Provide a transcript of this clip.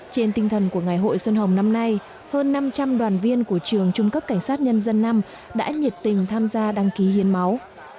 trên tinh thần của ngày hội xuân hồng năm nay hơn năm trăm linh đoàn viên của trường trung cấp cảnh sát nhân dân năm đã nhiệt tình tham gia đăng ký hiến máu